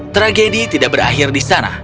tragedi tidak berakhir di sana